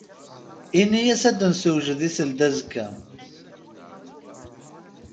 Ini-yas ad d-un-yessujed i seldazekk.